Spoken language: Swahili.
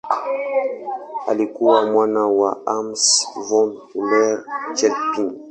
Alikuwa mwana wa Hans von Euler-Chelpin.